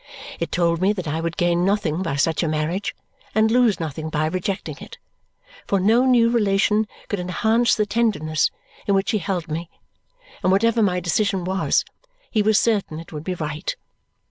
It told me that I would gain nothing by such a marriage and lose nothing by rejecting it, for no new relation could enhance the tenderness in which he held me, and whatever my decision was, he was certain it would be right.